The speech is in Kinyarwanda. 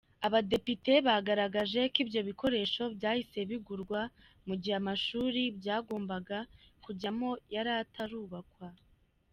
Abadepite bagaragaje ko ibyo bikoresho byahise bigurwa mu gihe amashuri byagombaga kujyamo yari atarubakwa.